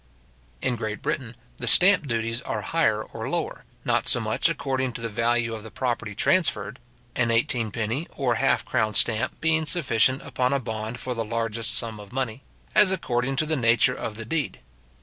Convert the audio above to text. In Great Britain, the stamp duties are higher or lower, not so much according to the value of the property transferred (an eighteen penny or half crown stamp being sufficient upon a bond for the largest sum of money), as according to the nature of the deed.